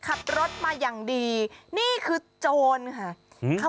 ขับรถมาอย่างดีนี่คือโจรค่ะ